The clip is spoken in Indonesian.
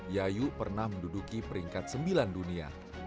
yayu pernah menduduki peringkat sembilan dunia